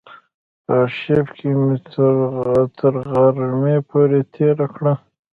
په آرشیف کې مې تر غرمې پورې تېره کړه.